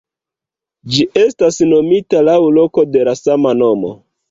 Ĝi estas nomita laŭ loko de la sama nomo.